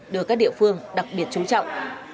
được các địa phương đặc biệt trú trọng